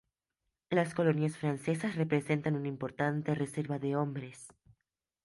Las colonias francesas representan una importante reserva de hombres.